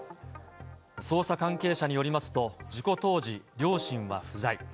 捜査関係者によりますと、事故当時、両親は不在。